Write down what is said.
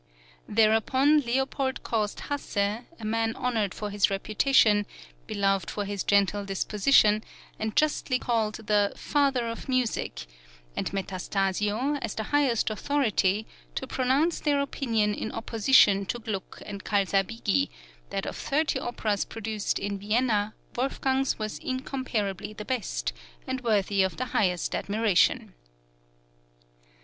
Thereupon Leopold caused Hasse, a man honoured for his reputation, beloved for his gentle disposition, and justly called the "father of music," and Metastasio, as the {PROFESSIONAL INTRIGUES.} (71) highest authority, to pronounce their opinion in opposition to Gluck and Calsabigi, that of thirty operas produced in Vienna Wolfgang's was incomparably the best, and worthy of the highest admiration.